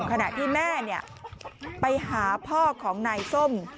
ขณะที่แม่ไปหาพ่อของนายส้ม